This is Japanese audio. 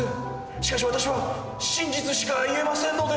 しかし私は真実しか言えませんので！